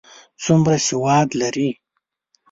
څومره سواد لري؟